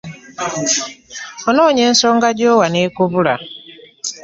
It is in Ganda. Onoonya ensonga gy'owa n'ekubula.